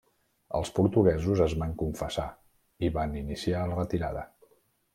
Els portuguesos es van confessar i van iniciar la retirada.